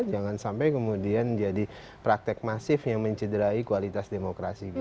jangan sampai kemudian jadi praktek masif yang mencederai kualitas demokrasi kita